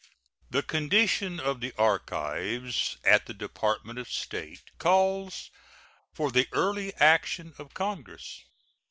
The condition of the archives at the Department of State calls for the early action of Congress.